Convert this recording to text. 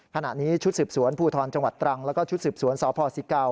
ขณะนี้ชุดสืบสวนภูทรจังหวัดตรังแล้วก็ชุดสืบสวนสพศิเกา